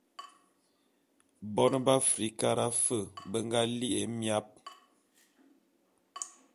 Bone be Afrikara fe be nga li'i émiap.